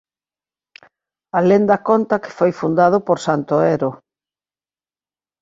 A lenda conta que foi fundado por Santo Ero.